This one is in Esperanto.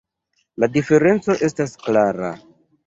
La diferenco estas klara.